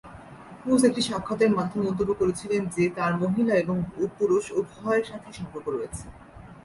Cruise একটি সাক্ষাত্কারে মন্তব্য করেছিলেন যে তাঁর মহিলা এবং পুরুষ উভয়ের সাথেই সম্পর্ক রয়েছে।